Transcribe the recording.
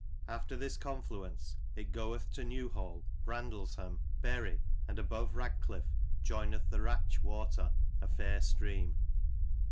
After this confluence, it goeth to Newhall, Brandlesham, Bury, and above RadclifTe joineth with the Rache water, a fair stream.